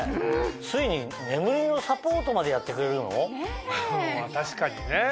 ついに眠りのサポートまでやってくれるの？ねぇ。